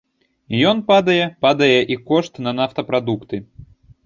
Ён падае, падае і кошт на нафтапрадукты.